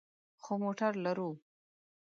خو موټر لرو